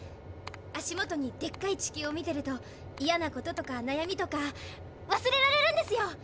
足もとにでっかい地球を見てるとイヤなこととかなやみとか忘れられるんですよ。